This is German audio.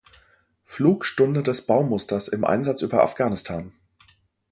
Flugstunde des Baumusters im Einsatz über Afghanistan.